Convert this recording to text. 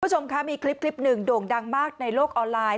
คุณผู้ชมคะมีคลิปหนึ่งโด่งดังมากในโลกออนไลน์